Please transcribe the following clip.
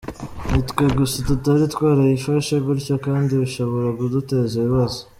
Ni twe gusa tutari twarayifashe gutyo kandi bishobora kuduteza ibibazo.